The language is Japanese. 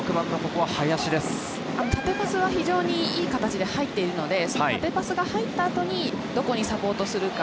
縦パスは非常にいい形で入っているので、縦パスが入った後に、どこにサポートするか。